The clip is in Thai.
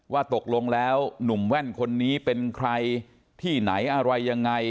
ว่าตกลงแล้วหนุ่มแว่นคนนี้เป็นใครที่ไหนอะไรยังไง